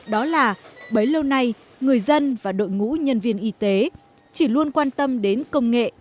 đó là bấy lâu nay người dân và đội ngũ nhân viên y tế chỉ luôn quan tâm đến công nghệ